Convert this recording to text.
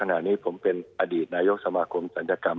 ขณะนี้ผมเป็นอดีตนายกสมาคมศัลยกรรม